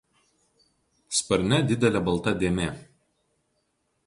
Sparne didelė balta dėmė.